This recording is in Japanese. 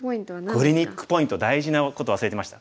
クリニックポイント大事なことを忘れてました。